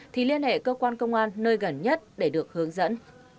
thì liên hệ cơ quan công an nơi gần nhất để được hướng dẫn